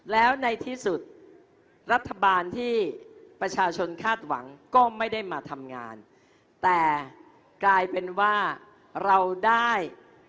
แล้วในที่สุดรัฐบาลที่ประชาชนคาดหวังก็ไม่ได้มาทำงานแต่กลายเป็นว่าเราได้